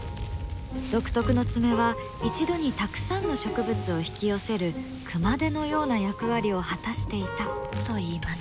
独特の爪は一度にたくさんの植物を引き寄せる熊手のような役割を果たしていたといいます。